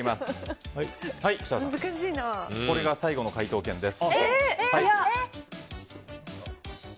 設楽さん、これが最後の解答権です。